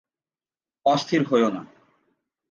অস্থির হয়ো না।